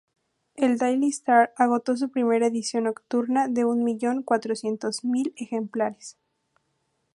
El "Daily Star" agotó su primera edición nocturna de un millón cuatrocientos mil ejemplares.